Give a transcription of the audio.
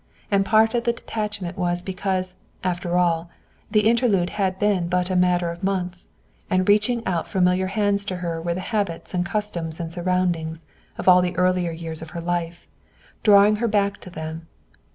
And part of the detachment was because, after all, the interlude had been but a matter of months, and reaching out familiar hands to her were the habits and customs and surroundings of all the earlier years of her life, drawing her back to them.